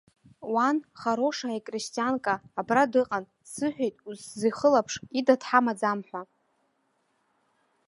Уан, хорошаиа крестианка, абра дыҟан, дсыҳәеит, усзихылаԥш, ида дҳамаӡам ҳәа.